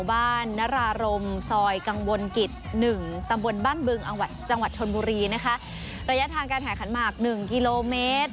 บ้านนรรมซอยกังวลกิจ๑ตำบลบ้านบึงจังหวัดชนบุรีนะคะระยะทางการหาขันหมาก๑กิโลเมตร